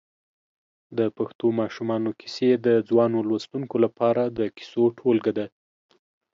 د پښتو ماشومانو کیسې د ځوانو لوستونکو لپاره د کیسو ټولګه ده.